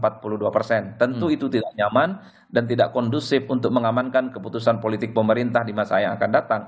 tentu itu tidak nyaman dan tidak kondusif untuk mengamankan keputusan politik pemerintah di masa yang akan datang